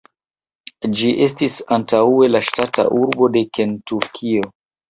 Ĝi estis antaŭe la ŝtata arbo de Kentukio.